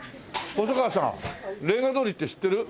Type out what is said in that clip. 細川さんレンガ通りって知ってる？